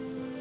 aku tau ran